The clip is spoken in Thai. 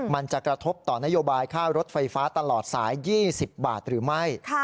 มันจะกระทบต่อนโยบายค่ารถไฟฟ้าตลอดสาย๒๐บาทหรือไม่